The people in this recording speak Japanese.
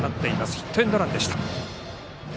ヒットエンドランでした。